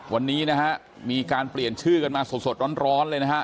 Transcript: วันนี้นะฮะมีการเปลี่ยนชื่อกันมาสดร้อนเลยนะฮะ